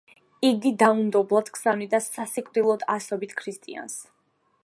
იგი დაუნდობლად გზავნიდა სასიკვდილოდ ასობით ქრისტიანს.